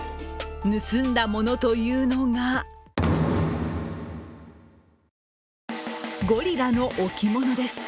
盗んだものというのがゴリラの置物です。